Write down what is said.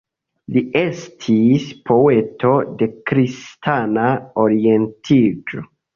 Li estis poeto de kristana orientiĝo.